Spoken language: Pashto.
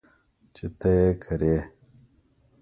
چې ته یې کرې .